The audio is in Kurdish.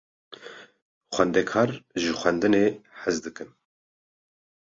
Xwendekar ji xwendinê hez dikin.